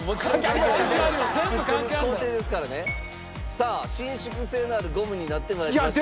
さあ伸縮性のあるゴムになって参りました。